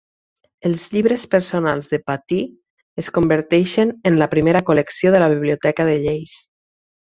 Els llibres personals de Pattee es converteixen en la primera col·lecció de la biblioteca de lleis.